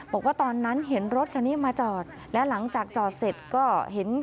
บอกว่าตอนนั้นเห็นรถคันนี้มาจอดและหลังจากจอดเสร็จก็เห็น